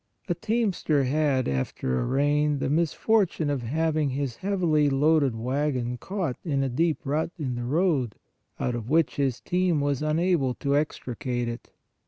A teamster had, after a rain, the misfortune of having his heavily loaded wagon caught in a deep rut in the road, out of which his team was unable to extricate it.